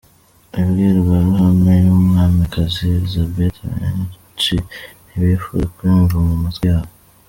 Imbwirwaruhame y’Umwamikazi Elisabeth benshi ntibifuza kuyumva mu matwi yabo